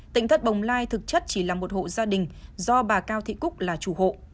tỉnh thất bồng lai thực chất chỉ là một hộ gia đình do bà cao thị cúc là chủ hộ